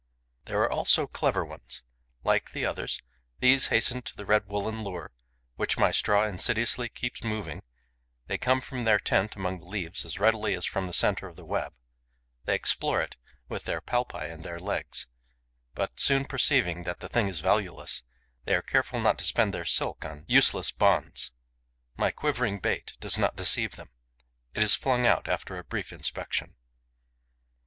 There are also clever ones. Like the others, these hasten to the red woollen lure, which my straw insidiously keeps moving; they come from their tent among the leaves as readily as from the centre of the web; they explore it with their palpi and their legs; but, soon perceiving that the thing is valueless, they are careful not to spend their silk on useless bonds. My quivering bait does not deceive them. It is flung out after a brief inspection.